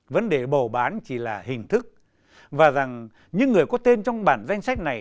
vấn đề bầu bán chỉ là hình thức và rằng những người có tên trong bản danh sách này